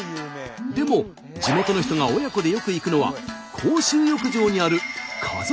でも地元の人が親子でよく行くのは公衆浴場にある家族風呂らしい。